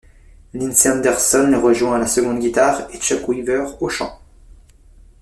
Lindsey Anderson les rejoint à la seconde guitare, et Chuck Weaver au chant.